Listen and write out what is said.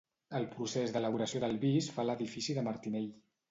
El procés d'elaboració del vi es fa a l'edifici de Martinell.